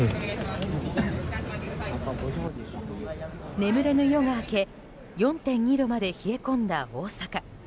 眠れぬ夜が明け４．２度まで冷え込んだ大阪。